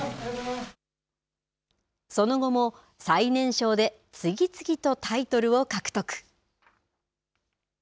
その後も最年少で次々とタイトルを獲得。